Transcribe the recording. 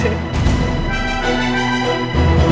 apa yang kamu disini